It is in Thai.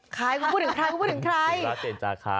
ใครพูดถึงใครพูดถึงใครสิราเจนจาคา